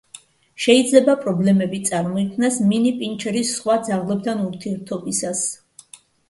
შეიძლება პრობლემები წარმოიქმნას მინი პინჩერის სხვა ძაღლებთან ურთიერთობისას.